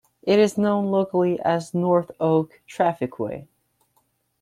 It is known locally as North Oak Trafficway.